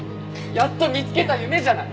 やっと見つけた夢じゃない！